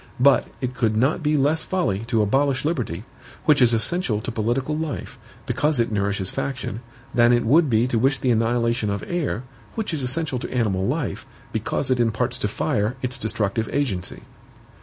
But it could not be less folly to abolish liberty, which is essential to political life, because it nourishes faction, than it would be to wish the annihilation of air, which is essential to animal life, because it imparts to fire its destructive agency.